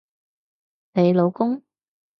你老公？